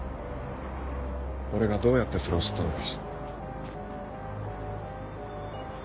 俺がどうやってそれを知ったのか。